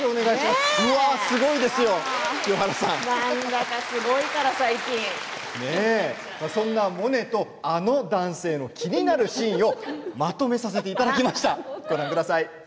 すごいですよ、清原さんそんなモネとあの男性の気になるシーンをまとめさせていただきました。